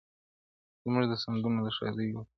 زموږ د سندرو د ښادیو وطن!!